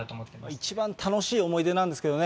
一番楽しい思い出なんですけどね。